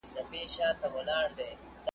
چي هر ځای وینم کارګه له رنګه تور وي ,